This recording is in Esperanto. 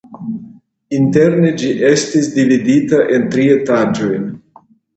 Interne ĝi estis dividita en tri etaĝojn.